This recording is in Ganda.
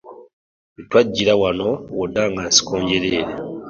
We twajjira wano wonna nga nsiko njereere.